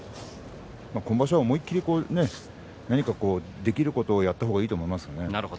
今場所は思い切り何かできることをやった方がいいと思いますね。